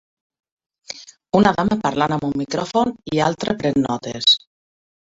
Una dama parlant amb un micròfon i altra pren notes.